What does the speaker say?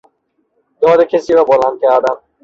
داد کسی را بلند کردن